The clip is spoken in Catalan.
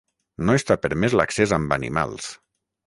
No està permès l'accés amb animals.